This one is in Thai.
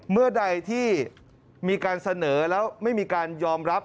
เมื่อใดที่มีการเสนอแล้วไม่มีการยอมรับ